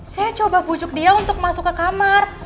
saya coba bujuk dia untuk masuk ke kamar